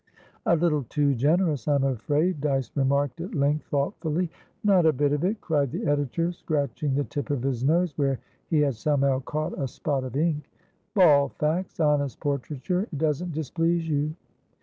"A little too generous, I'm afraid," Dyce remarked at length, thoughtfully. "Not a bit of it!" cried the editor, scratching the tip of his nose, where he had somehow caught a spot of ink. "Bald facts; honest portraiture. It doesn't displease you?"